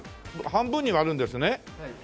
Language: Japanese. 半分に割るんですね？